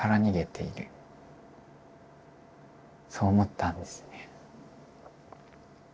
そう思ったんですね。